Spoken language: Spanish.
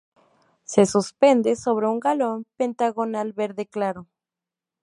Se suspende sobre un galón pentagonal verde claro.